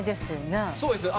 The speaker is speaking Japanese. そうですね。